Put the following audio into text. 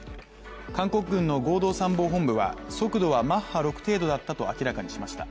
韓国軍の合同参謀本部は速度はマッハ６程度だったと明らかにしました。